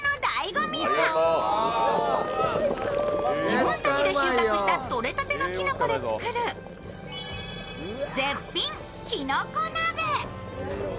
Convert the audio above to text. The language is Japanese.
自分たちで収穫した採れたてのきのこで作る絶品きのこ鍋。